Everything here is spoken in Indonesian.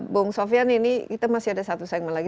bung sofyan ini kita masih ada satu saingan lagi